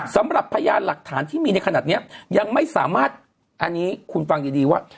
สำหรับพยานหลักฐานที่มีในขณะนี้ยังไม่สามารถอันนี้คุณฟังดีดีว่า